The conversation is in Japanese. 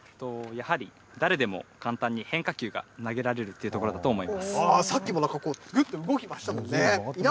やはり誰でも簡単に変化球が投げられるっていうところだと思さっきもなんかこう、ぐっと動きましたもんね。